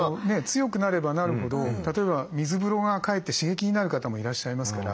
強くなればなるほど例えば水風呂がかえって刺激になる方もいらっしゃいますから。